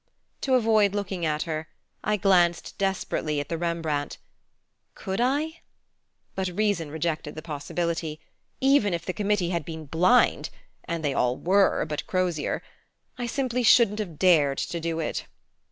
To avoid looking at her, I glanced desperately at the Rembrandt. Could I ? But reason rejected the possibility. Even if the committee had been blind and they all were but Crozier I simply shouldn't have dared to do it.